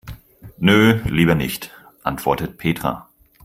Nö, lieber nicht, antwortet Petra.